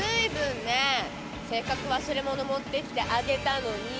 せっかく忘れ物持ってきてあげたのに。